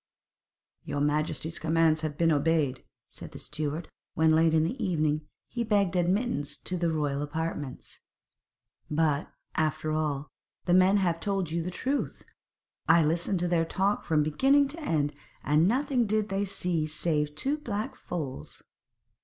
'Your majesty's commands have been obeyed,' said the steward when, late in the evening, he begged admittance to the royal apartments; 'but, after all, the men have told you the truth. I listened to their talk from beginning to end, and nothing did they see save two black foals.'